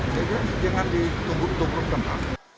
saya kira jangan ditunggu tunggu kemarin